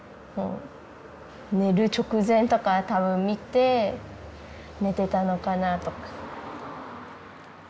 寝る直前とか多分見て寝てたのかなとか。